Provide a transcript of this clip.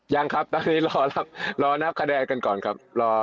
ยังครับตอนนี้รอนับขนาดกันก่อนครับ